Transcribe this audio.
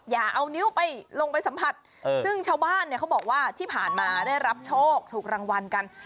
อย่าเอานิ้วไปลงไปสัมผัสซึ่งชาวบ้านเนี่ยเขาบอกว่าที่ผ่านมาได้รับโชคถูกรางวัลกัน